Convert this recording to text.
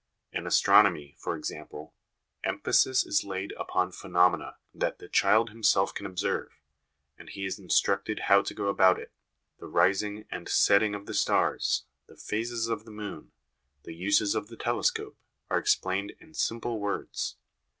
In as tronomy, for example, emphasis is laid upon phenomena that the child himself can observe, and h^ is instructed how to go about it. The rising and setting of the stars, the phases of the moon, the uses of the telescope, are explained in simple words.